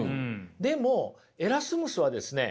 でもエラスムスはですね